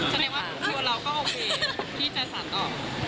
ฉะนั้นว่าตัวเราก็โอเคพี่จะสั่งตอบ